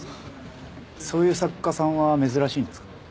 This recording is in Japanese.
そういう作家さんは珍しいんですか？